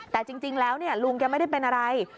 แต่จริงแล้วลุงแกไม่ได้เป็นอะไร